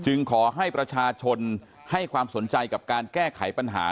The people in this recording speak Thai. ขอให้ประชาชนให้ความสนใจกับการแก้ไขปัญหา